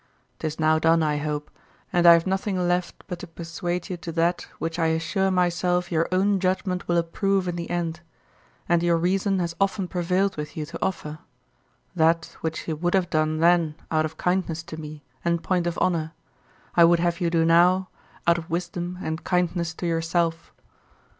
'Tis now done, I hope, and I have nothing left but to persuade you to that, which I assure myself your own judgment will approve in the end, and your reason has often prevailed with you to offer; that which you would have done then out of kindness to me and point of honour, I would have you do now out of wisdom and kindness to yourself.